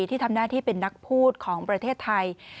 ที่ทำหน้าที่เป็นนักพูดของประเทศไทย